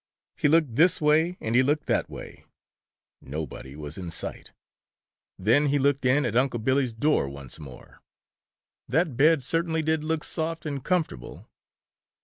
He looked this way and he looked that way. Nobody was in sight. Then he looked in at Unc' Billy's door once more. That bed certainly did look soft and comfortable.